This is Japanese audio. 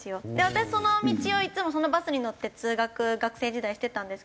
私その道をいつもそのバスに乗って通学学生時代してたんですけど。